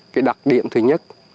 cái đặc điểm thứ nhất